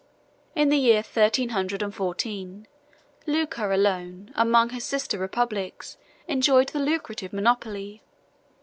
In the year thirteen hundred and fourteen, Lucca alone, among her sister republics, enjoyed the lucrative monopoly.